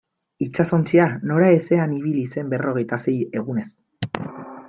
Itsasontzia noraezean ibili zen berrogeita sei egunez.